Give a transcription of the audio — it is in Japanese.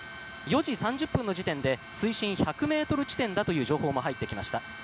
４時３０分の時点で水深１００ｍ地点だという情報も入ってきました。